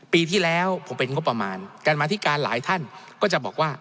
ปีที่แล้วผมเป็นงบประมาณการมาธิการหลายท่านก็จะบอกว่า